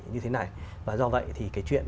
như thế này và do vậy thì cái chuyện